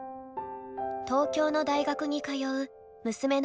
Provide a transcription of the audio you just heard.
東京の大学に通う娘の麗さん。